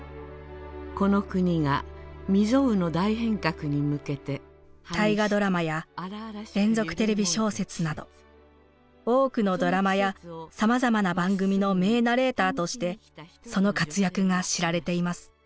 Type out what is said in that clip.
この国が未曽有の大変革に向けて「大河ドラマ」や「連続テレビ小説」など多くのドラマやさまざまな番組の名ナレーターとしてその活躍が知られています。